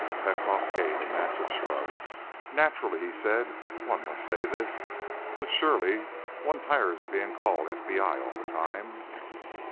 Petkoff gave a massive shrug. "Naturally," he said, "one must say this. But surely, one tires of being called FBI all the time."